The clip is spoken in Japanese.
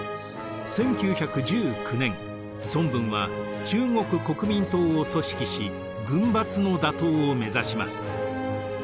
１９１９年孫文は中国国民党を組織し軍閥の打倒を目指します。